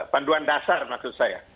panduan dasar maksud saya